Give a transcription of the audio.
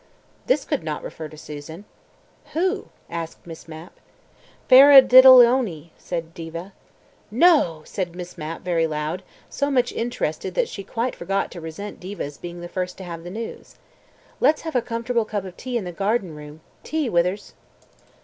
This could not refer to Susan. ... "Who?" asked Miss Mapp. "Faradiddleony," said Diva. "No!" said Miss Mapp very loud, so much interested that she quite forgot to resent Diva's being the first to have the news. "Let's have a comfortable cup of tea in the garden room. Tea, Withers."